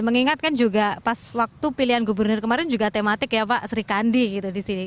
mengingatkan juga pas waktu pilihan gubernur kemarin juga tematik ya pak sri kandi gitu di sini